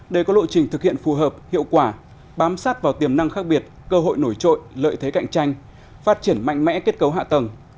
để có lộ trình thực hiện phù hợp hiệu quả bám sát vào tiềm năng khác biệt cơ hội nổi trội lợi thế cạnh tranh phát triển mạnh mẽ kết cấu hạ tầng